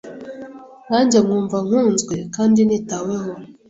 nanjye nkumva nkunzwe kandi nitaweho